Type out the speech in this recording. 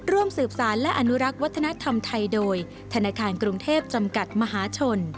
ร่วมสืบสารและอนุรักษ์วัฒนธรรมไทยโดยธนาคารกรุงเทพจำกัดมหาชน